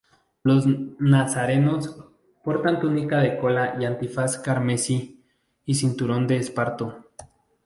Los nazarenos portan túnica de cola y antifaz carmesí y cinturón de esparto.